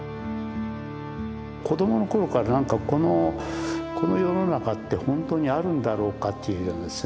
子どもの頃から何かこの世の中って本当にあるんだろうかというようなですね